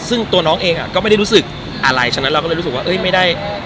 ซึ่งตัวน้องเองก็ไม่ได้รู้สึกอะไรฉะนั้นเราก็เลยรู้สึกว่าไม่ได้